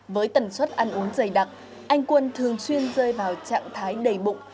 với tần suất ăn uống dày đặc anh quân thường xuyên rơi vào trạng thái đầy bụng